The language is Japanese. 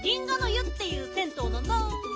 湯っていう銭湯なんだ。